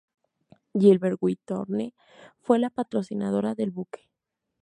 Gilbert W. Thorne, fue la patrocinadora del buque.